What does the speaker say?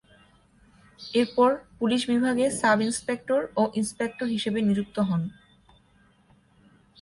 এরপর পুলিশ বিভাগে সাব-ইনস্পেক্টর ও ইনস্পেক্টর হিসেবে নিযুক্ত হন।